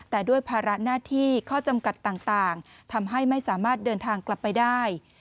แต่ด้วยภาระหน้าที่ข้อจำกัดต่างทำให้ไม่สามารถเดินทางกลับไปได้